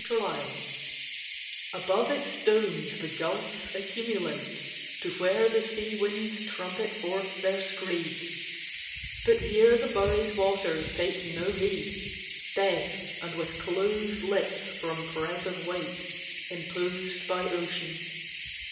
ATLANTIS Above its domes the gulfs accumulate To where the sea winds trumpet forth their screed; But here the buried waters take no heed Deaf, and with closèd lips from press of weight Imposed by ocean.